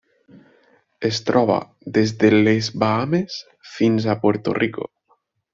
Es troba des de les Bahames fins a Puerto Rico.